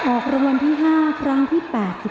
ออกรางวัลที่๕ครั้งที่๘๙